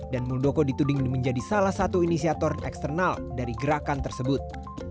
dan muldoko dituding menjadi salah satu inisiator eksternal dari gerakan tersebut